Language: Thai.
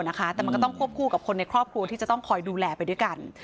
แต่มันก็ต้องควบคู่กับคนในครอบครัวที่จะต้องคอยดูแลไปด้วยกัน